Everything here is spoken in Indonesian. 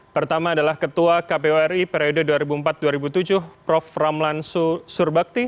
pertama adalah ketua kpu ri periode dua ribu empat dua ribu tujuh prof ramlan surbakti